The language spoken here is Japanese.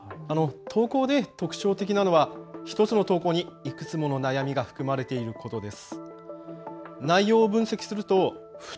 投稿で特徴的なのは１つの投稿にいくつもの悩みが含まれていることです。